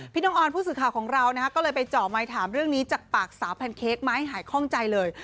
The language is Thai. น้องออนผู้สื่อข่าวของเราก็เลยไปเจาะไมค์ถามเรื่องนี้จากปากสาวแพนเค้กมาให้หายคล่องใจเลย